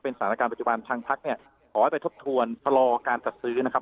สถานการณ์ปัจจุบันทางพักเนี่ยขอให้ไปทบทวนชะลอการจัดซื้อนะครับ